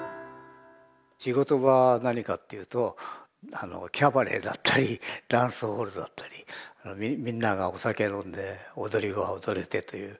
仕事場は何かっていうとキャバレーだったりダンスホールだったりみんながお酒飲んで踊りが踊れてという。